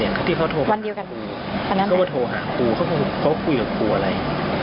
คนก็โทรหาครูก็คือเค้าเข้าคุยกับครูอะไร